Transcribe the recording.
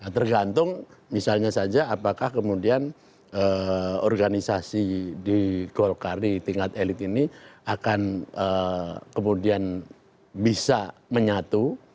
tergantung misalnya saja apakah kemudian organisasi di golkar di tingkat elit ini akan kemudian bisa menyatu